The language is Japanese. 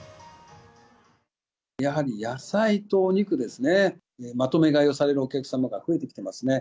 やはり野菜とお肉ですね、まとめ買いをされるお客様が増えてきてますね。